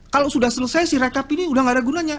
kalau sudah selesai si rekap ini sudah tidak ada gunanya